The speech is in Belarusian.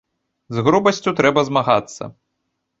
З грубасцю трэба змагацца.